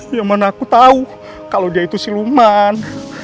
yang mana aku tahu kalau dia itu siluman